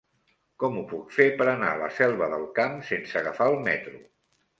Com ho puc fer per anar a la Selva del Camp sense agafar el metro?